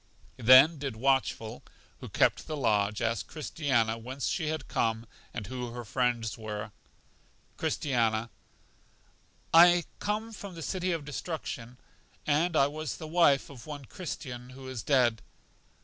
Then did Watchful, who kept the lodge, ask Christiana whence she had come and who her friends were. Christiana: I come from The City of Destruction, and I was the wife of one Christian, who is dead.